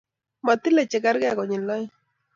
matilel chegergei konyil aeng